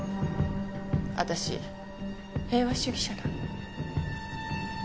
私平和主義者なの。